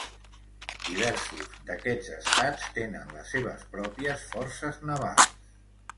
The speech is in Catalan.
Diversos d'aquests estats tenen les seves pròpies forces navals.